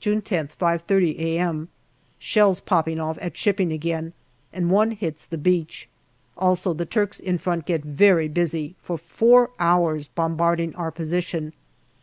June I0th 9 5.30 a.m. Shells popping off at shipping again, and one hits the beach. Also the Turks in front get very busy, for four hours bombarding our position.